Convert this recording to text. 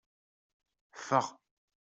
Ffeɣ!